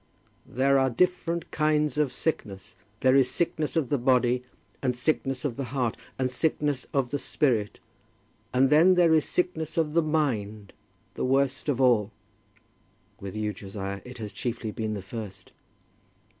"There are different kinds of sickness. There is sickness of the body, and sickness of the heart, and sickness of the spirit; and then there is sickness of the mind, the worst of all." "With you, Josiah, it has chiefly been the first."